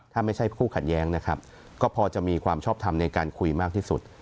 ถ้าไม่ใช่ผู้ขัดแย้งนะครับก็พอจะมีความชอบทำในการคุยมากที่สุด